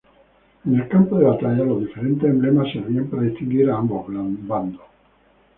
En el campo de batalla, los diferentes emblemas servían para distinguir a ambos bandos.